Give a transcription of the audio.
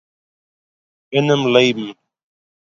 אינעם לעבן